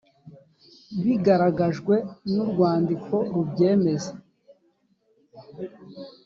bigaragajwe n urwandiko rubyemeza